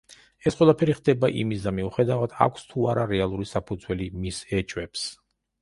ეს ყველაფერი ხდება იმისდა მიუხედავად, აქვს თუ არა რეალური საფუძველი მის ეჭვებს.